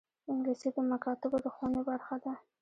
انګلیسي د مکاتبو د ښوونې برخه ده